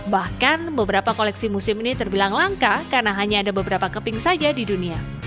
bahkan beberapa koleksi musim ini terbilang langka karena hanya ada beberapa keping saja di dunia